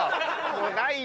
もうないよ。